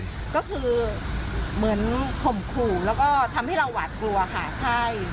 ก็คือเหมือนข่มขู่แล้วก็ทำให้เราหวาดกลัวค่ะใช่